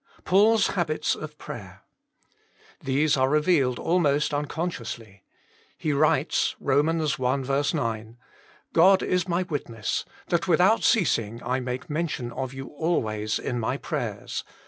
PAUL S HABITS OF PRAYER. These are revealed almost unconsciously. He writes (Eom. i. 9), " God is my witness, that with out ceasing I make mention of you always in my prayers.